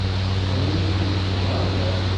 Qqlent-d seg uɣerbaz.